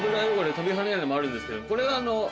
飛び跳ねるのもあるんですけどこれ。